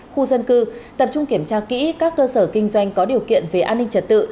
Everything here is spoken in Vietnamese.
khu dân cư tập trung kiểm tra kỹ các cơ sở kinh doanh có điều kiện về an ninh trật tự